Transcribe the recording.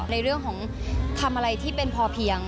ในเรื่องของทำอะไรที่เป็นพอเพียง